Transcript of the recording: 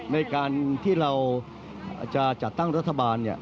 ในการที่เราจะจัดตั้งรัฐบาล